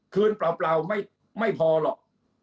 เปล่าไม่พอหรอก